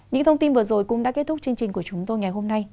những thông tin vừa rồi cũng đã kết thúc chương trình của chúng tôi ngày hôm nay